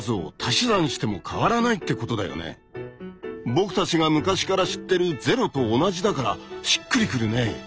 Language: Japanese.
僕たちが昔から知ってる「０」と同じだからしっくりくるね。